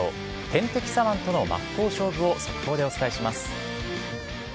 天敵左腕との真っ向勝負を速報でお伝えします。